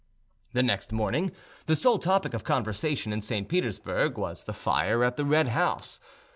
The next morning the sole topic of conversation in St. Petersburg was the fire at the Red House.